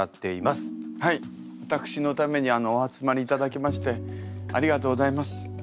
私のためにお集まりいただきましてありがとうございます。